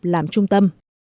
làm trung tâm